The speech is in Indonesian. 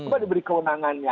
coba diberi kewenangannya